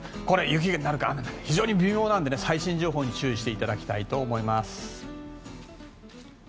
これ、雪になるか雨になるか非常に微妙なので最新情報に注意していただきたいと思います。